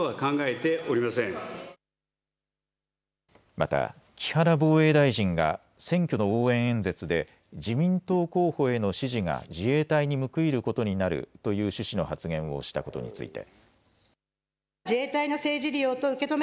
また木原防衛大臣が選挙の応援演説で自民党候補への支持が自衛隊に報いることになるという趣旨の発言をしたことについて。